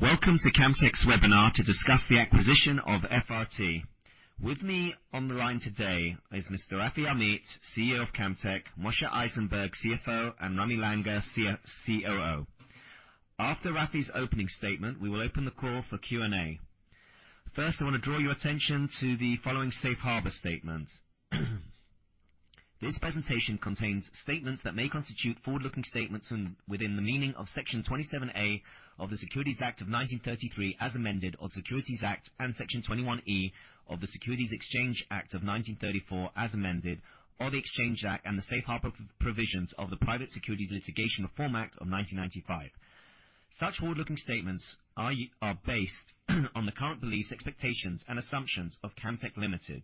Welcome to Camtek's webinar to discuss the acquisition of FRT. With me on the line today is Mr. Rafi Amit, CEO of Camtek, Moshe Eisenberg, CFO, and Ramy Langer, COO. After Rafi's opening statement, we will open the call for Q&A. First, I want to draw your attention to the following safe harbor statement. This presentation contains statements that may constitute forward-looking statements and within the meaning of Section 27A of the Securities Act of 1933, as amended, or Securities Act, and Section 21E of the Securities Exchange Act of 1934, as amended, or the Exchange Act and the safe harbor provisions of the Private Securities Litigation Reform Act of 1995. Such forward-looking statements are based on the current beliefs, expectations, and assumptions of Camtek Limited.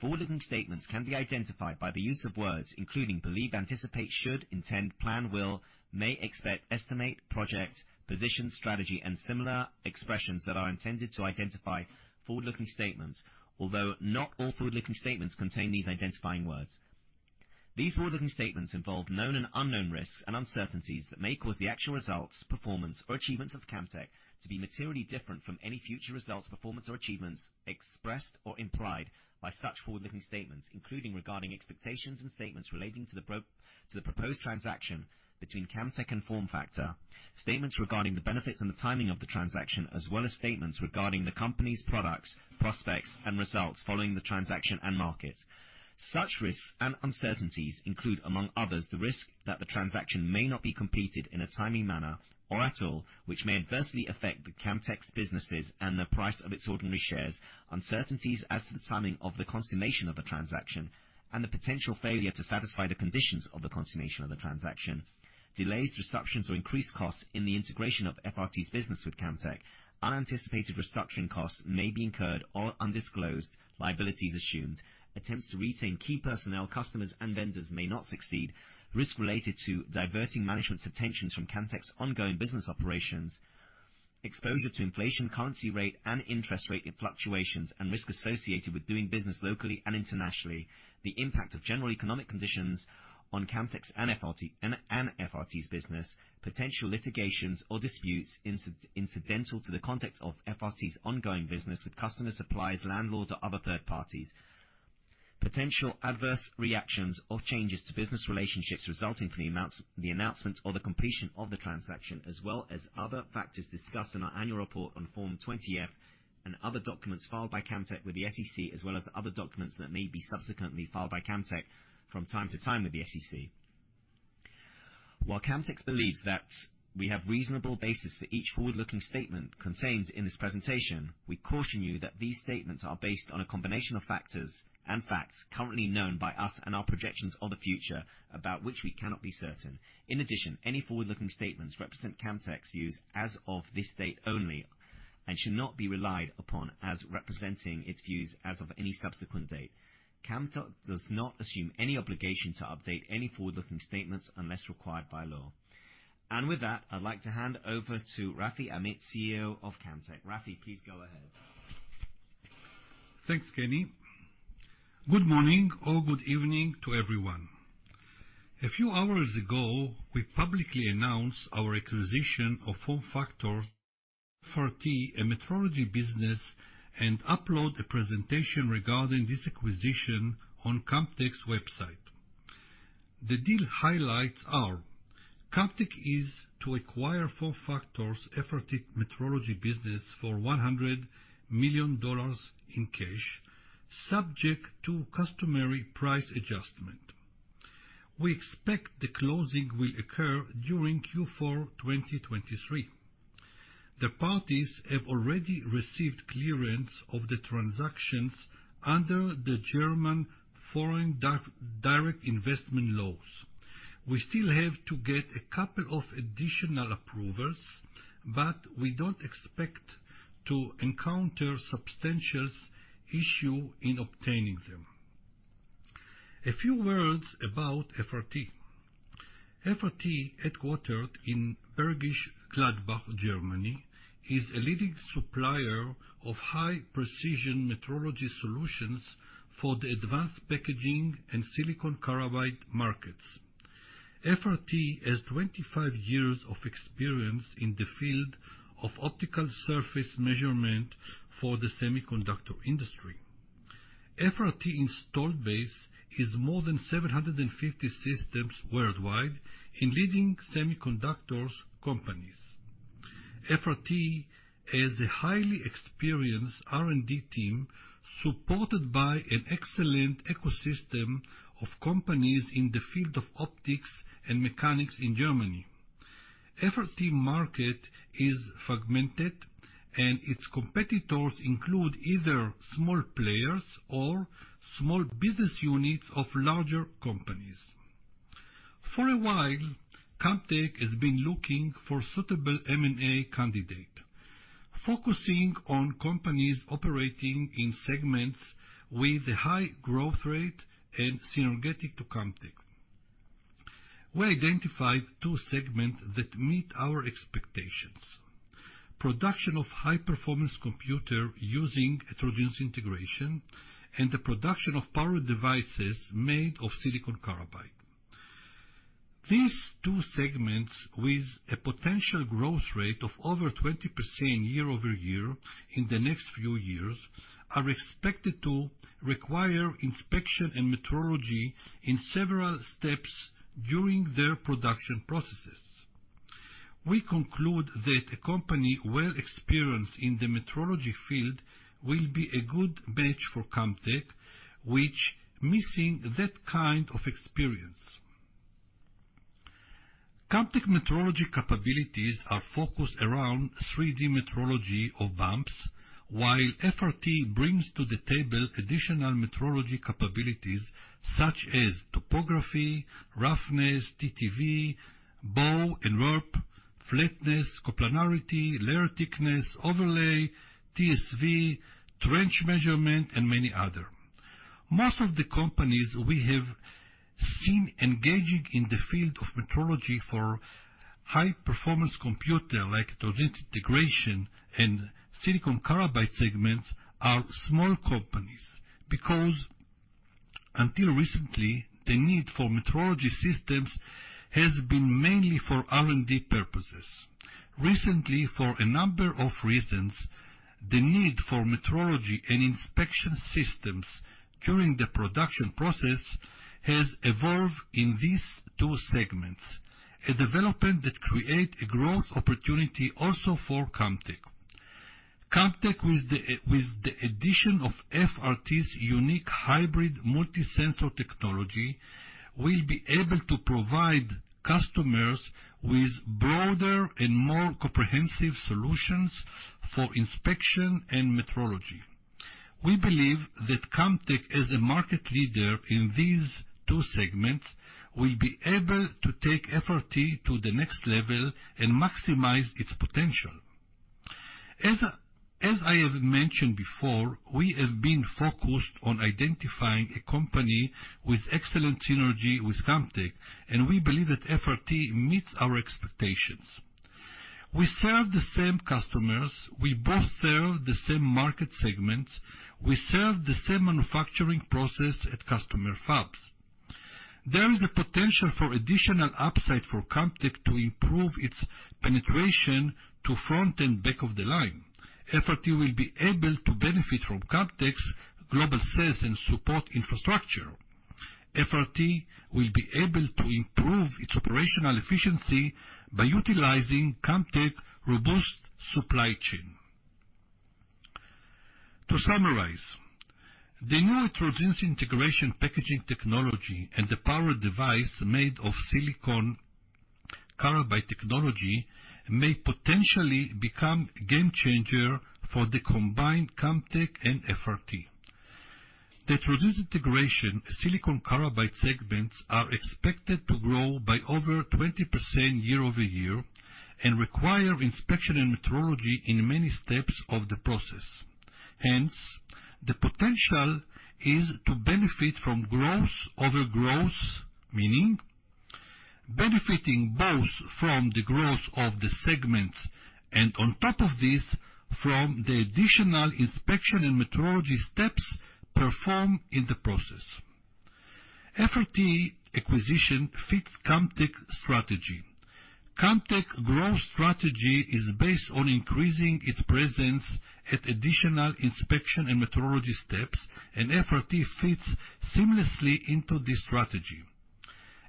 Forward-looking statements can be identified by the use of words, including: believe, anticipate, should, intend, plan, will, may, expect, estimate, project, position, strategy, and similar expressions that are intended to identify forward-looking statements. Although not all forward-looking statements contain these identifying words. These forward-looking statements involve known and unknown risks and uncertainties that may cause the actual results, performance, or achievements of Camtek to be materially different from any future results, performance, or achievements expressed or implied by such forward-looking statements, including regarding expectations and statements relating to the prior to the proposed transaction between Camtek and FormFactor. Statements regarding the benefits and the timing of the transaction, as well as statements regarding the company's products, prospects, and results following the transaction and market. Such risks and uncertainties include, among others, the risk that the transaction may not be completed in a timely manner or at all, which may adversely affect Camtek's businesses and the price of its ordinary shares, uncertainties as to the timing of the consummation of the transaction, and the potential failure to satisfy the conditions of the consummation of the transaction. Delays, disruptions, or increased costs in the integration of FRT's business with Camtek. Unanticipated restructuring costs may be incurred or undisclosed liabilities assumed. Attempts to retain key personnel, customers, and vendors may not succeed. Risk related to diverting management's attentions from Camtek's ongoing business operations, exposure to inflation, currency rate, and interest rate fluctuations, and risk associated with doing business locally and internationally. The impact of general economic conditions on Camtek's and FRT's business, potential litigations or disputes incidental to the context of FRT's ongoing business with customers, suppliers, landlords, or other third parties. Potential adverse reactions or changes to business relationships resulting from the amounts, the announcement or the completion of the transaction, as well as other factors discussed in our annual report on Form 20-F and other documents filed by Camtek with the SEC, as well as other documents that may be subsequently filed by Camtek from time to time with the SEC. While Camtek believes that we have reasonable basis for each forward-looking statement contained in this presentation, we caution you that these statements are based on a combination of factors and facts currently known by us and our projections of the future, about which we cannot be certain. In addition, any forward-looking statements represent Camtek's views as of this date only, and should not be relied upon as representing its views as of any subsequent date. Camtek does not assume any obligation to update any forward-looking statements unless required by law. And with that, I'd like to hand over to Rafi Amit, CEO of Camtek. Rafi, please go ahead. Thanks, Kenny. Good morning or good evening to everyone. A few hours ago, we publicly announced our acquisition of FormFactor FRT, a metrology business, and upload a presentation regarding this acquisition on Camtek's website. The deal highlights are: Camtek is to acquire FormFactor's FRT metrology business for $100 million in cash, subject to customary price adjustment. We expect the closing will occur during Q4, 2023. The parties have already received clearance of the transactions under the German foreign direct investment laws. We still have to get a couple of additional approvals, but we don't expect to encounter substantial issue in obtaining them. A few words about FRT. FRT, headquartered in Bergisch Gladbach, Germany, is a leading supplier of high-precision metrology solutions for the advanced packaging and silicon carbide markets. FRT has 25 years of experience in the field of optical surface measurement for the semiconductor industry. FRT installed base is more than 750 systems worldwide in leading semiconductor companies. FRT has a highly experienced R&D team, supported by an excellent ecosystem of companies in the field of optics and mechanics in Germany. FRT market is fragmented, and its competitors include either small players or small business units of larger companies. For a while, Camtek has been looking for suitable M&A candidate, focusing on companies operating in segments with a high growth rate and synergistic to Camtek. We identified two segments that meet our expectations... production of high-performance computing using heterogeneous integration and the production of power devices made of silicon carbide. These two segments, with a potential growth rate of over 20% year-over-year in the next few years, are expected to require inspection and metrology in several steps during their production processes. We conclude that a company well experienced in the metrology field will be a good match for Camtek, which missing that kind of experience. Camtek metrology capabilities are focused around 3D metrology of bumps, while FRT brings to the table additional metrology capabilities such as topography, roughness, TTV, bow and warp, flatness, coplanarity, layer thickness, overlay, TSV, trench measurement, and many other. Most of the companies we have seen engaging in the field of metrology for high performance computing, like through integration and silicon carbide segments, are small companies, because until recently, the need for metrology systems has been mainly for R&D purposes. Recently, for a number of reasons, the need for metrology and inspection systems during the production process has evolved in these two segments, a development that create a growth opportunity also for Camtek. Camtek, with the addition of FRT's unique hybrid multi-sensor technology, will be able to provide customers with broader and more comprehensive solutions for inspection and metrology. We believe that Camtek, as a market leader in these two segments, will be able to take FRT to the next level and maximize its potential. As I have mentioned before, we have been focused on identifying a company with excellent synergy with Camtek, and we believe that FRT meets our expectations. We serve the same customers. We both serve the same market segments. We serve the same manufacturing process at customer fabs. There is a potential for additional upside for Camtek to improve its penetration to front and back of the line. FRT will be able to benefit from Camtek's global sales and support infrastructure. FRT will be able to improve its operational efficiency by utilizing Camtek's robust supply chain. To summarize, the new through integration packaging technology and the power device made of silicon carbide technology may potentially become game changer for the combined Camtek and FRT. The through integration silicon carbide segments are expected to grow by over 20% year-over-year and require inspection and metrology in many steps of the process. Hence, the potential is to benefit from growth over growth, meaning benefiting both from the growth of the segments, and on top of this, from the additional inspection and metrology steps performed in the process. FRT acquisition fits Camtek strategy. Camtek growth strategy is based on increasing its presence at additional inspection and metrology steps, and FRT fits seamlessly into this strategy.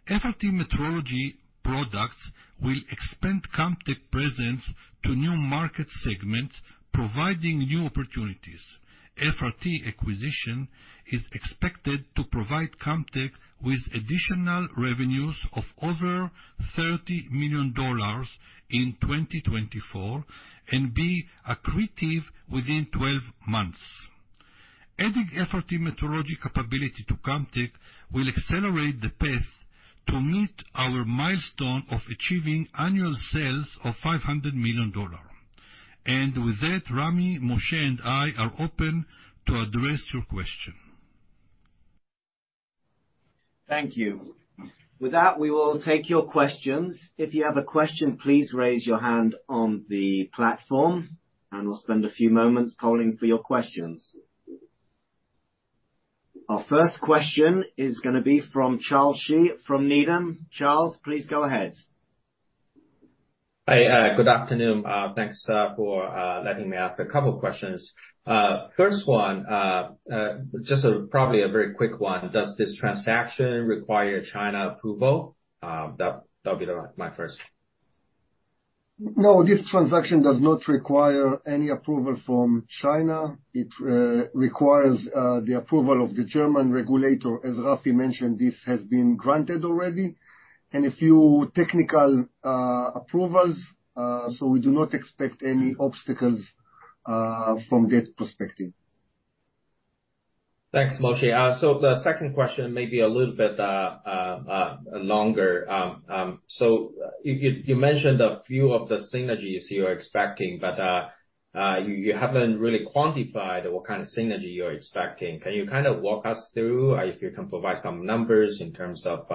FRT metrology products will expand Camtek presence to new market segments, providing new opportunities. FRT acquisition is expected to provide Camtek with additional revenues of over $30 million in 2024 and be accretive within 12 months. Adding FRT metrology capability to Camtek will accelerate the path to meet our milestone of achieving annual sales of $500 million. With that, Rafi, Moshe, and I are open to address your question. Thank you. With that, we will take your questions. If you have a question, please raise your hand on the platform, and we'll spend a few moments calling for your questions. Our first question is gonna be from Charles Shi from Needham. Charles, please go ahead. Hi, good afternoon. Thanks for letting me ask a couple of questions. First one, just probably a very quick one: Does this transaction require China approval? That'll be my first. No, this transaction does not require any approval from China. It requires the approval of the German regulator. As Rafi mentioned, this has been granted already, and a few technical approvals, so we do not expect any obstacles from that perspective. Thanks, Moshe. So the second question may be a little bit longer. So you mentioned a few of the synergies you are expecting, but you haven't really quantified what kind of synergy you're expecting. Can you kind of walk us through if you can provide some numbers in terms of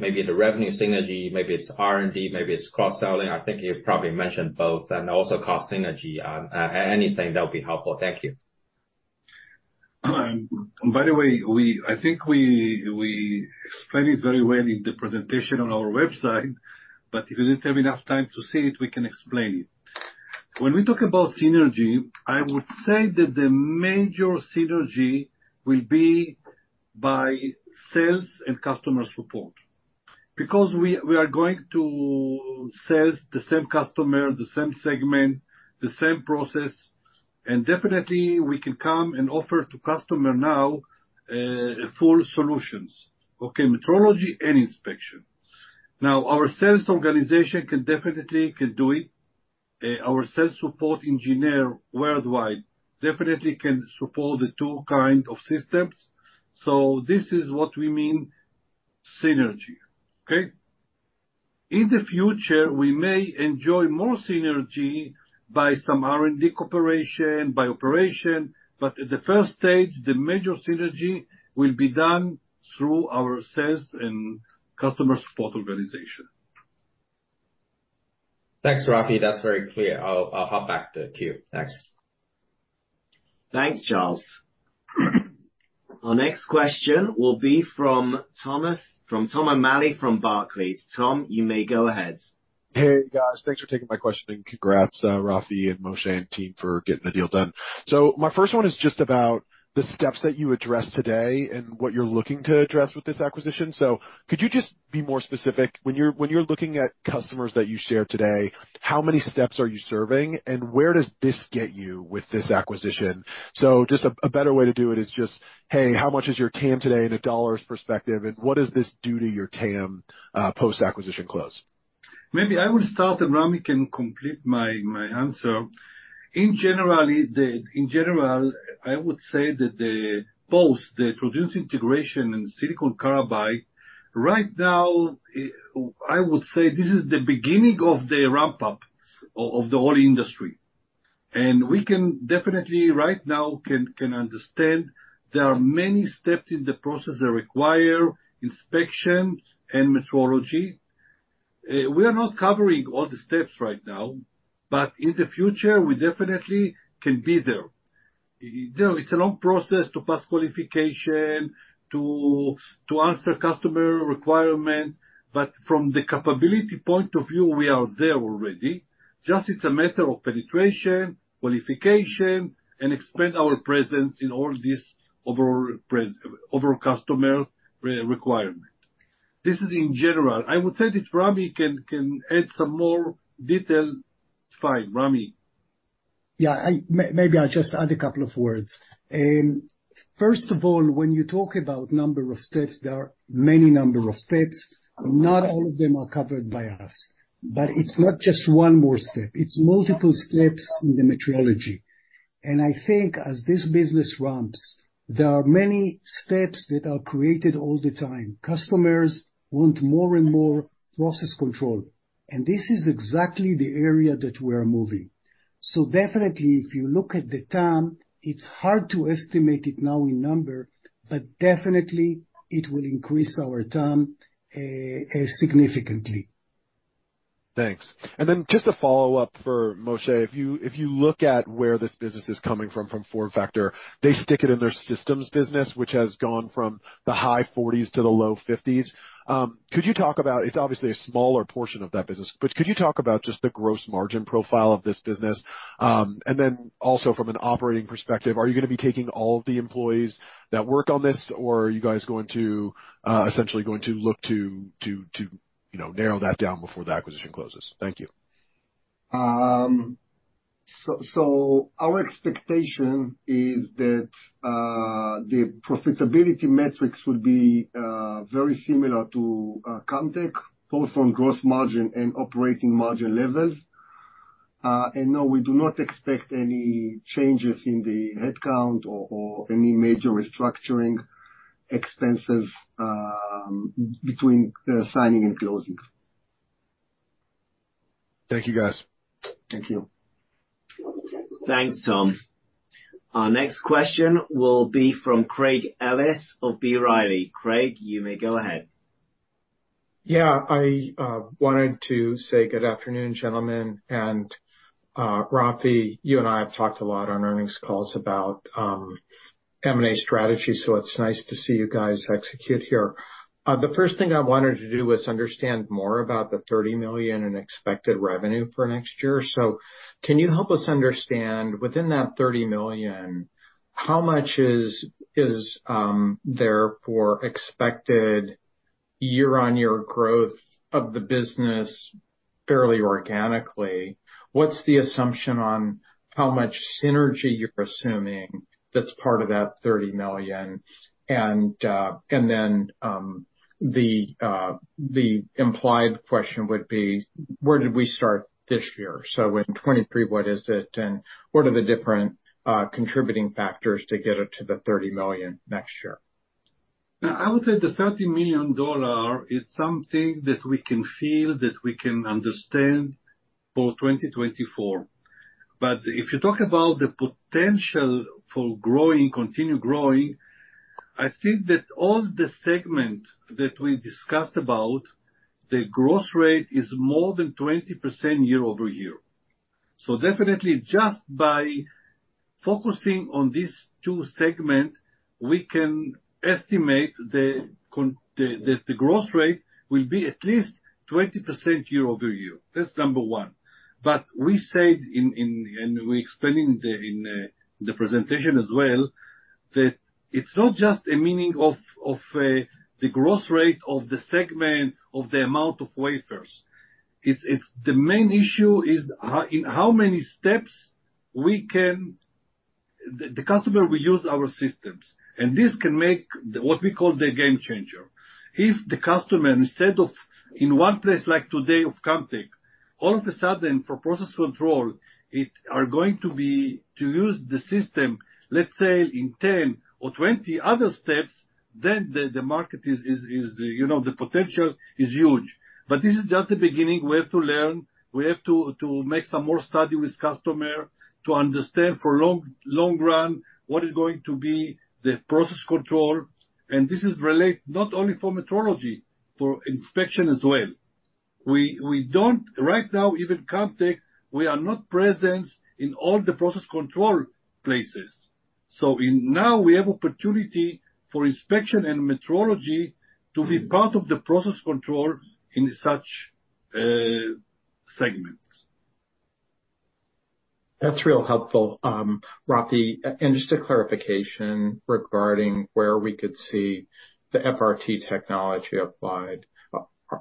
maybe the revenue synergy, maybe it's R&D, maybe it's cross-selling? I think you probably mentioned both, and also cost synergy. Anything that would be helpful. Thank you. By the way, I think we explained it very well in the presentation on our website, but if you didn't have enough time to see it, we can explain it. When we talk about synergy, I would say that the major synergy will be by sales and customer support. Because we are going to sales the same customer, the same segment, the same process, and definitely we can come and offer to customer now full solutions, okay, metrology and inspection. Now, our sales organization can definitely do it. Our sales support engineer worldwide definitely can support the two kind of systems. So this is what we mean synergy. Okay? In the future, we may enjoy more synergy by some R&D cooperation, by operation, but at the first stage, the major synergy will be done through our sales and customer support organization. Thanks, Rafi. That's very clear. I'll hop back to queue. Thanks. Thanks, Charles. Our next question will be from Thomas- from Tom O'Malley, from Barclays. Tom, you may go ahead. Hey, guys. Thanks for taking my question, and congrats, Rafi and Moshe and team for getting the deal done. So my first one is just about the steps that you addressed today and what you're looking to address with this acquisition. So could you just be more specific? When you're looking at customers that you shared today, how many steps are you serving, and where does this get you with this acquisition? So just a better way to do it is just, hey, how much is your TAM today in a dollars perspective, and what does this do to your TAM post-acquisition close? Maybe I will start, and Ramy can complete my answer. In general, I would say that both the heterogeneous integration and silicon carbide, right now, I would say this is the beginning of the ramp-up of the whole industry. And we can definitely, right now, understand there are many steps in the process that require inspections and metrology. We are not covering all the steps right now, but in the future, we definitely can be there. You know, it's a long process to pass qualification, to answer customer requirement, but from the capability point of view, we are there already. Just it's a matter of penetration, qualification, and expand our presence in all this overall customer requirement. This is in general. I would say if Ramy can add some more detail, fine. Ramy? Yeah, I maybe I'll just add a couple of words. First of all, when you talk about number of steps, there are many number of steps. Not all of them are covered by us. But it's not just one more step, it's multiple steps in the metrology. And I think as this business ramps, there are many steps that are created all the time. Customers want more and more process control, and this is exactly the area that we are moving. So definitely, if you look at the TAM, it's hard to estimate it now in number, but definitely it will increase our TAM significantly. Thanks. And then just a follow-up for Moshe. If you look at where this business is coming from, from FormFactor, they stick it in their systems business, which has gone from the high 40s to the low 50s. Could you talk about... It's obviously a smaller portion of that business, but could you talk about just the gross margin profile of this business? And then also from an operating perspective, are you gonna be taking all of the employees that work on this, or are you guys going to essentially look to, you know, narrow that down before the acquisition closes? Thank you. So our expectation is that the profitability metrics will be very similar to Camtek, both on gross margin and operating margin levels. And no, we do not expect any changes in the headcount or any major restructuring expenses between signing and closing. Thank you, guys. Thank you. Thanks, Tom. Our next question will be from Craig Ellis of B. Riley. Craig, you may go ahead. Yeah. I wanted to say good afternoon, gentlemen. And, Rafi, you and I have talked a lot on earnings calls about, M&A strategy, so it's nice to see you guys execute here. The first thing I wanted to do was understand more about the $30 million in expected revenue for next year. So can you help us understand, within that $30 million, how much is, is, there for expected year-on-year growth of the business fairly organically? What's the assumption on how much synergy you're assuming that's part of that $30 million? And, and then, the, the implied question would be: Where did we start this year? So in 2023, what is it, and what are the different, contributing factors to get it to the $30 million next year?... Now, I would say the $30 million is something that we can feel, that we can understand for 2024. But if you talk about the potential for growing, continue growing, I think that all the segment that we discussed about, the growth rate is more than 20% year-over-year. So definitely, just by focusing on these two segment, we can estimate the growth rate will be at least 20% year-over-year. That's number one. But we said in and we explained in the presentation as well, that it's not just a meaning of the growth rate of the segment, of the amount of wafers. It's the main issue is how many steps we can... The customer will use our systems, and this can make what we call the game changer. If the customer, instead of in one place like today of Camtek, all of a sudden for process control, it are going to be to use the system, let's say, in 10 or 20 other steps, then the market is, you know, the potential is huge. But this is just the beginning. We have to learn, we have to make some more study with customer to understand for long, long run, what is going to be the process control. And this is relate not only for metrology, for inspection as well. We don't -- right now, even Camtek, we are not present in all the process control places. Now, we have opportunity for inspection and metrology to be part of the process control in such segments. That's real helpful, Rafi. Just a clarification regarding where we could see the FRT technology applied.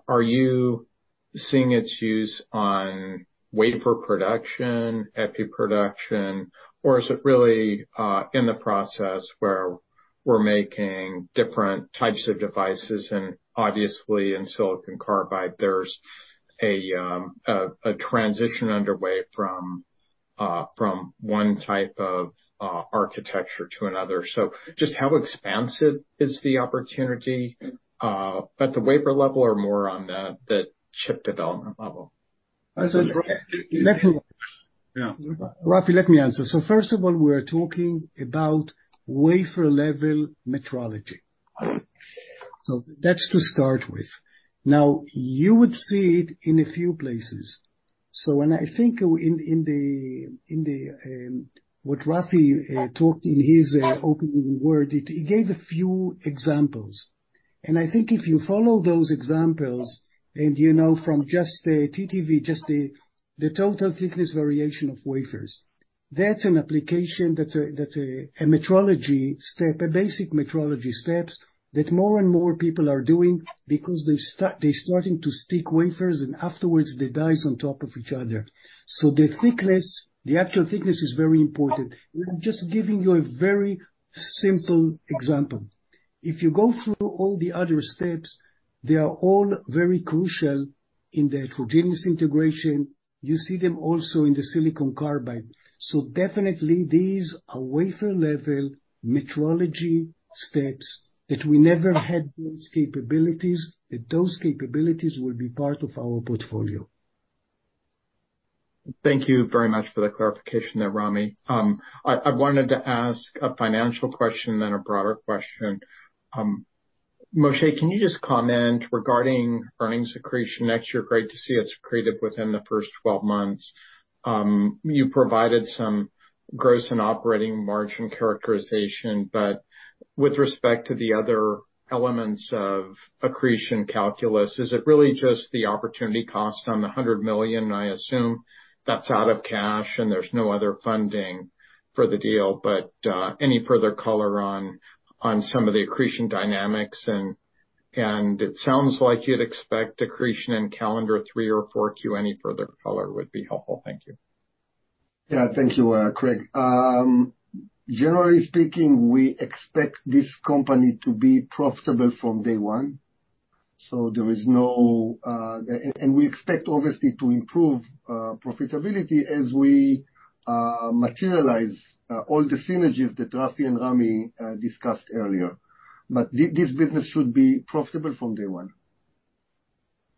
Are you seeing its use on wafer production, epi production, or is it really in the process where we're making different types of devices? And obviously in silicon carbide, there's a transition underway from one type of architecture to another. Just how expansive is the opportunity at the wafer level or more on the chip development level? I said, let me- Yeah. Rafi, let me answer. So first of all, we're talking about wafer level metrology. So that's to start with. Now, you would see it in a few places. So when I think in the what Rafi talked in his opening word, he gave a few examples. And I think if you follow those examples, and you know, from just the TTV, just the total thickness variation of wafers, that's an application, that's a metrology step, a basic metrology steps that more and more people are doing because they're starting to stick wafers, and afterwards, the dies on top of each other. So the thickness, the actual thickness is very important. I'm just giving you a very simple example. If you go through all the other steps, they are all very crucial in the heterogeneous integration. You see them also in the silicon carbide. So definitely, these are wafer-level metrology steps that we never had those capabilities, that those capabilities will be part of our portfolio. Thank you very much for the clarification there, Ramy. I wanted to ask a financial question, then a broader question. Moshe, can you just comment regarding earnings accretion next year? Great to see it's accretive within the first 12 months. You provided some gross and operating margin characterization, but with respect to the other elements of accretion calculus, is it really just the opportunity cost on the $100 million? I assume that's out of cash and there's no other funding for the deal. But, any further color on some of the accretion dynamics, and it sounds like you'd expect accretion in calendar Q3 or Q4. Any further color would be helpful. Thank you. Yeah. Thank you, Craig. Generally speaking, we expect this company to be profitable from day one, so there is no... And we expect obviously to improve profitability as we materialize all the synergies that Rafi and Ramy discussed earlier. But this business should be profitable from day one.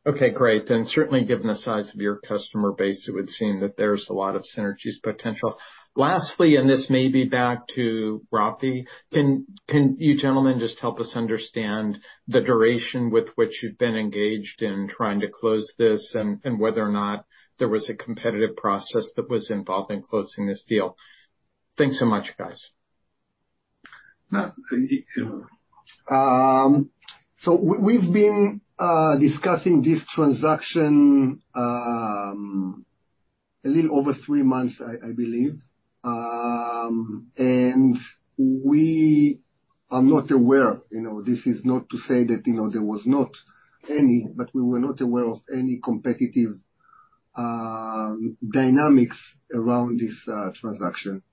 Okay, great. Then certainly given the size of your customer base, it would seem that there's a lot of synergies potential. Lastly, and this may be back to Rafi, can you gentlemen just help us understand the duration with which you've been engaged in trying to close this, and whether or not there was a competitive process that was involved in closing this deal? Thanks so much, guys. So we've been discussing this transaction a little over three months, I believe. We are not aware, you know, this is not to say that, you know, there was not any, but we were not aware of any competitive dynamics around this transaction.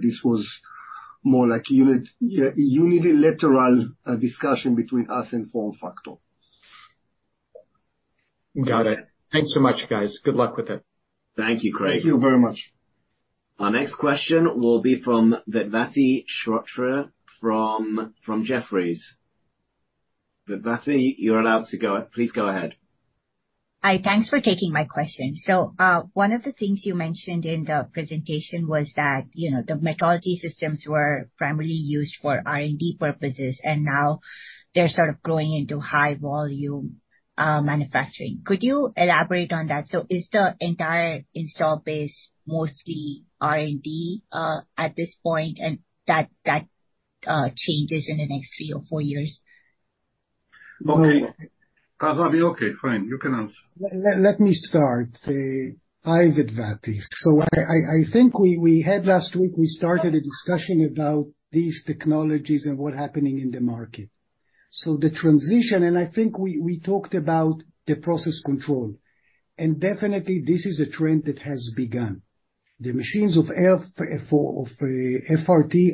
This was more like unilateral discussion between us and FormFactor.... Got it. Thanks so much, guys. Good luck with it. Thank you, Craig. Thank you very much. Our next question will be from Vivati Shrotre from Evercore. Vivati, you're allowed to go. Please go ahead. Hi, thanks for taking my question. So, one of the things you mentioned in the presentation was that, you know, the metrology systems were primarily used for R&D purposes, and now they're sort of growing into high volume manufacturing. Could you elaborate on that? So is the entire installed base mostly R&D at this point, and that changes in the next three or four years? Okay. Rafi, okay, fine. You can answer. Let me start. Hi, Vivati. So I think we had last week, we started a discussion about these technologies and what's happening in the market. So the transition, and I think we talked about the process control, and definitely this is a trend that has begun. The machines of FRT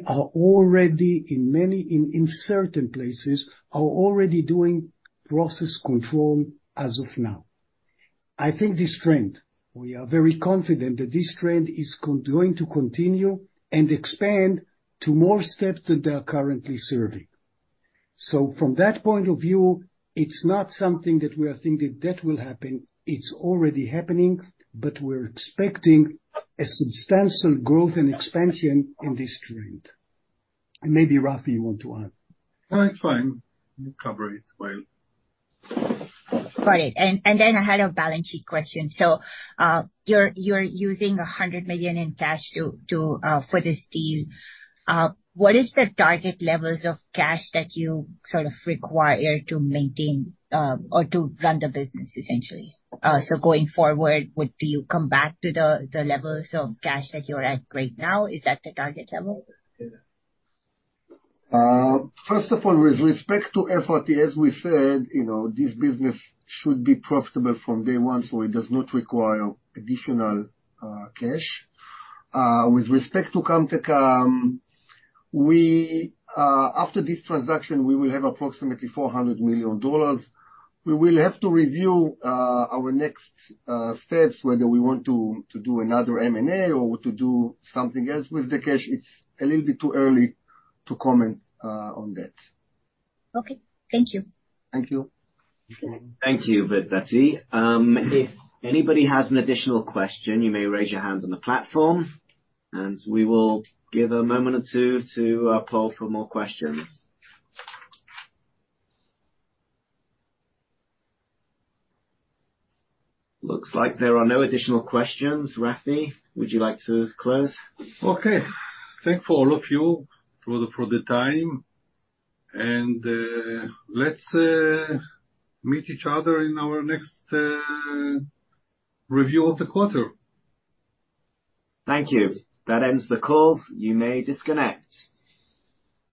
are already in many, in certain places, are already doing process control as of now. I think this trend, we are very confident that this trend is going to continue and expand to more steps than they are currently serving. So from that point of view, it's not something that we are thinking that will happen, it's already happening, but we're expecting a substantial growth and expansion in this trend. And maybe, Rafi, you want to add? No, it's fine. You covered it well. Got it. And then I had a balance sheet question. So, you're using $100 million in cash to for this deal. What is the target levels of cash that you sort of require to maintain, or to run the business essentially? So going forward, would you come back to the levels of cash that you're at right now? Is that the target level? First of all, with respect to FRT, as we said, you know, this business should be profitable from day one, so it does not require additional cash. With respect to Camtek, we, after this transaction, we will have approximately $400 million. We will have to review our next steps, whether we want to do another M&A or to do something else with the cash. It's a little bit too early to comment on that. Okay. Thank you. Thank you. Thank you, Vivati. If anybody has an additional question, you may raise your hand on the platform, and we will give a moment or two to poll for more questions. Looks like there are no additional questions. Rafi, would you like to close? Okay. Thanks for all of you for the time, and let's meet each other in our next review of the quarter. Thank you. That ends the call. You may disconnect.